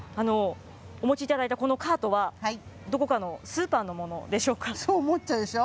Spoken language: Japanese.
お持ちいただいたこのカートは、どこかのスーパーのものでしょうそう思っちゃうでしょ？